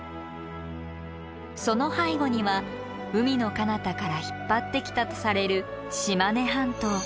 その背後には海のかなたから引っ張ってきたとされる島根半島。